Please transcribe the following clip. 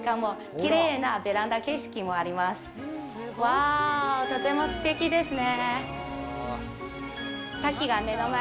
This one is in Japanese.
わあ、とてもすてきですね。